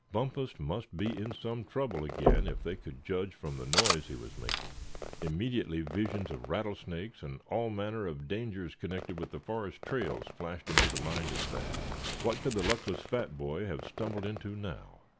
Bumpus must be in some trouble again, if they could judge from the noise he was making. Immediately visions of rattlesnakes, and all manner of dangers connected with the forest trails, flashed into the mind of Thad. What could the luckless fat boy have stumbled into now?